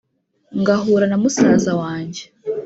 ngahura na musaza wange